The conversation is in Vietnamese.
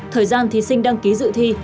thời gian thí sinh đăng ký dự thi